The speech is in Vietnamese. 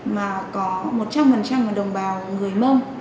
mà có một trăm linh đồng bào người mông